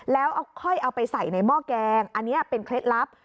แล้วค่อยเอาไปใส่ในหม้อแกงอันนี้เป็นเคล็ดลับ